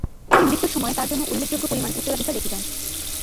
তিনি মৃত্যুর সময় তার জন্য উল্লেখযোগ্য পরিমান উত্তরাধিকার রেখে যান।